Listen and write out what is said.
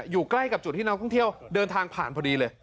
อยู่ใกล้กับจุดที่นักท่องเที่ยวเดินทางผ่านพอดีเลย